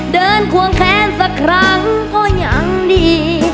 เดินควงแค้นสักครั้งเพราะอย่างดี